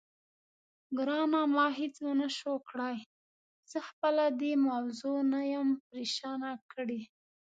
ګرانه، ما هېڅ ونه شوای کړای، زه خپله دې موضوع نه یم پرېشانه کړې.